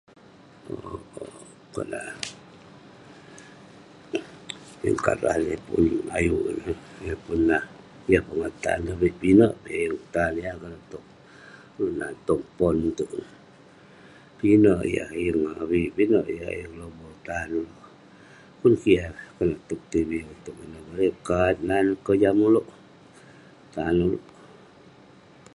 Owk, owk konak eh. Yeng kat rah neh yeng pun ayuk, [unintelligible] yah pongah tan. Bik pinek peh yeng tan. Yah konak tog pon itouk ineh, pinek yah yeng avik, pinek yah yeng lobo tan. Pun kek yah pun konak tog tv, tog ineh, bareng eh kat nan neh kojam ulouk, tan ulouk.